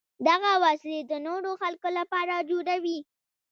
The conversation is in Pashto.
دغه وسلې د نورو خلکو لپاره جوړوي.